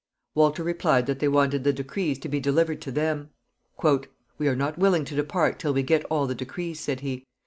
Walter replied that they wanted the decrees to be delivered to them. "We are not willing to depart till we get all the decrees," said he.